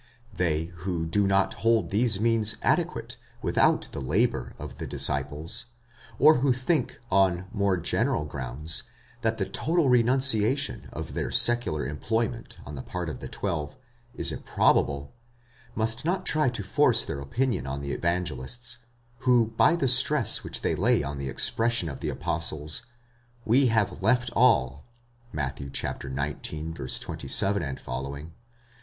They who do not hold these means adequate without the labour of the disciples, or who think, on more general grounds, that the total renunciation of their secular employ ment on the part of the twelve, is improbable, must not try to force their opinion on the Evangelists, who by the stress which they lay on the expression & Schleiermacher, ut sup. 5. 87. 326 PART I], CHAPTER V. ὃ 74. of the apostles, we have eft all (Matt. xix. 27 ff.)